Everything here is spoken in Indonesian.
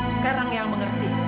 sekarang yang mengerti